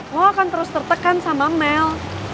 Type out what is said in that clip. mau akan terus tertekan sama mel